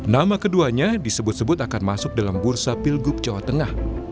nama keduanya disebut sebut akan masuk dalam bursa pilgub jawa tengah